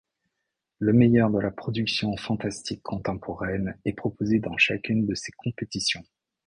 Le meilleur de la production fantastique contemporaine est proposé dans chacune de ses compétitions.